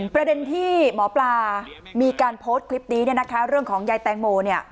ประเด็นที่หมอปลามีการโพสต์คลิปนี้เนี่ยนะคะเรื่องของยายแตงโมเนี่ย